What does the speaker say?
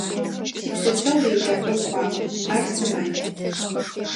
Сипшъэшъэгъу еджапӏэм кӏуагъэп: ар сымадж.